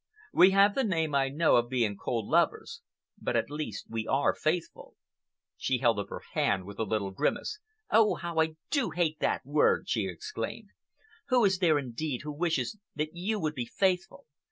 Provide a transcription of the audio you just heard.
We have the name, I know, of being cold lovers, but at least we are faithful." She held up her hand with a little grimace. "Oh, how I do hate that word!" she exclaimed. "Who is there, indeed, who wishes that you would be faithful?